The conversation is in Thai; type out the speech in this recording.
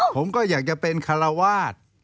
ผมก็อยากจะเป็นคาราวาส